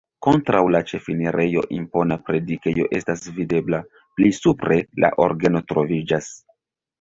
Kontraŭ la ĉefenirejo impona predikejo estas videbla, pli supre la orgeno troviĝas.